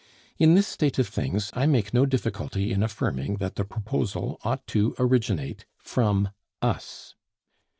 In this state of things I make no difficulty in affirming that the proposal ought to originate from us.